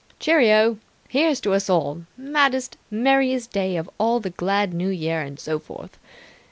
"Cheerio! Here's to us all! Maddest, merriest day of all the glad New Year and so forth.